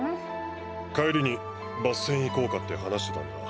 帰りにバッセン行こうかって話してたんだ。